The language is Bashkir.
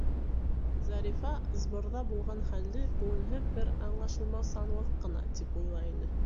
Зарифа сборҙа булған хәлде күңелһеҙ бер аңлашылмаусанлыҡ ҡына тип уйлай ине.